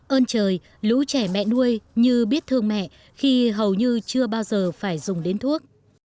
ơn trời lũ trẻ mẹ nuôi như biết thương mẹ khi hầu như chưa bao giờ phải dùng đến thuốc